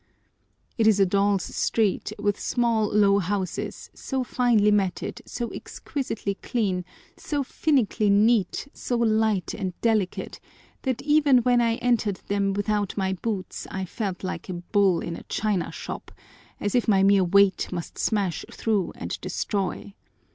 It is a doll's street with small low houses, so finely matted, so exquisitely clean, so finically neat, so light and delicate, that even when I entered them without my boots I felt like a "bull in a china shop," as if my mere weight must smash through and destroy.